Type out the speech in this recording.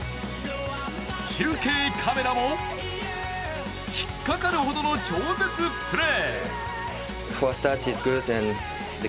中継カメラもひっかかるほどの超絶プレー。